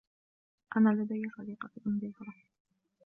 أنا لدي صديقة في إنجلترا.